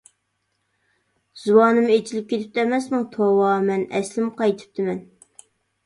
زۇۋانىم ئېچىلىپ كېتىپتۇ ئەمەسمۇ؟ توۋا، مەن ئەسلىمگە قايتىپتىمەن.